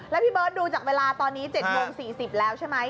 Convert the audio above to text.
แล้วพี่เบิร์ตดูจากเวลาตอนนี้๗โมง๔๐แล้วใช่ไหม